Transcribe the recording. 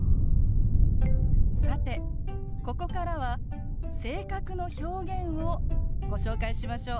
さてここからは性格の表現をご紹介しましょう。